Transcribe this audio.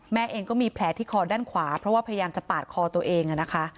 แม่เองก็มีแผลที่คอด้านขวาเพราะว่าพยายามจะปาดคอตัวเองนะคะ